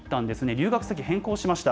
留学先、変更しました。